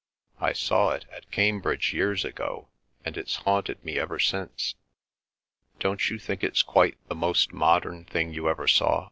I saw it at Cambridge years ago, and it's haunted me ever since. Don't you think it's quite the most modern thing you ever saw?"